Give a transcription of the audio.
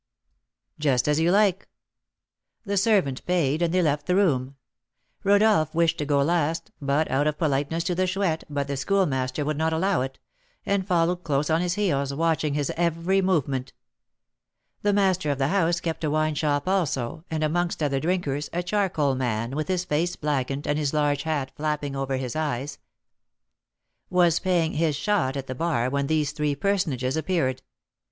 "Just as you like." The servant paid, and they left the room. Rodolph wished to go last, out of politeness to the Chouette, but the Schoolmaster would not allow it, and followed close on his heels, watching his every movement. The master of the house kept a wine shop also, and amongst other drinkers, a charcoal man, with his face blackened and his large hat flapping over his eyes, was paying his "shot" at the bar when these three personages appeared.